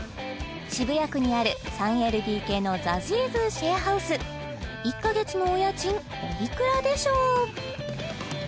渋谷区にある３ＬＤＫのＺＡＺＹ’ｓシェアハウス１カ月のお家賃おいくらでしょう？